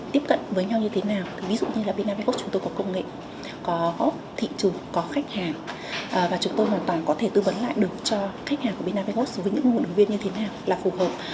tôi hoàn toàn có thể tư vấn lại được cho khách hàng của bnp ghost với những nguồn ứng viên như thế nào là phù hợp